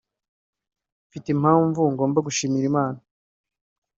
“Mfite impamvu ngomba gushimira Imana